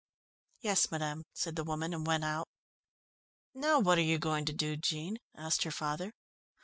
"Yes, madam," said the woman, and went out. "Now what are you going to do, Jean?" asked her father.